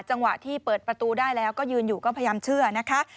จังหวะที่เปิดประตูได้แล้วก็ยืนอยู่ก็พยายามเชื่อนะคะ